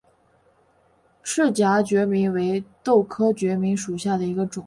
翅荚决明为豆科决明属下的一个种。